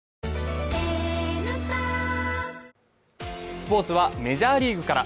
スポーツはメジャーリーグから。